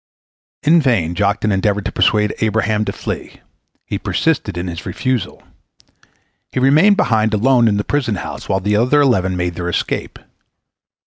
In vain Joktan endeavored to persuade Abraham to flee. He persisted in his refusal. He remained behind alone in the prison house, while the other eleven made their escape.